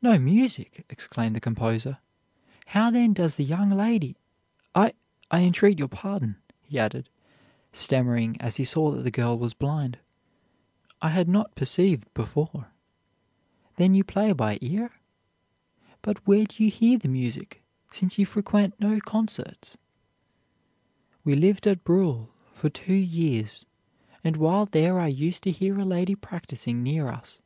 "'No music!' exclaimed the composer; 'how, then, does the young lady I I entreat your pardon,' he added, stammering as he saw that the girl was blind; 'I had not perceived before. Then you play by ear? But where do you hear the music, since you frequent no concerts?' "'We lived at Bruhl for two years; and, while there, I used to hear a lady practicing near us.